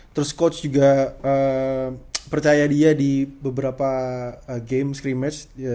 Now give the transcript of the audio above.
terus coach juga percaya dia di beberapa game scrimmage